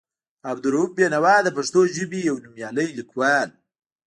عبدالرؤف بېنوا د پښتو ژبې یو نومیالی لیکوال و.